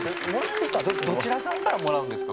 どちらさんからもらうんですか？